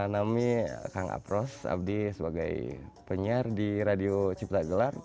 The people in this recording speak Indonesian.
nami kang apros abdi sebagai penyiar di radio ciptagelar